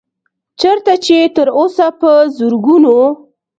چرته چې تر اوسه پۀ زرګونو